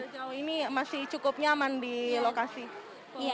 jauh jauh ini masih cukup nyaman di lokasi pengungsi ya